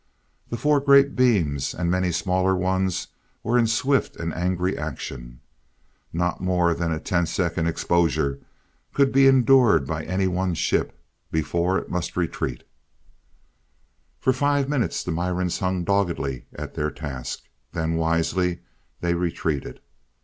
The four greater beams, and many smaller ones were in swift and angry action. Not more than a ten second exposure could be endured by any one ship, before it must retreat. For five minutes the Mirans hung doggedly at their task. Then, wisely, they retreated.